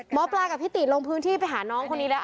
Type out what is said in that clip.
หมอปลากับพี่ติลงพื้นที่ไปหาน้องคนนี้แล้ว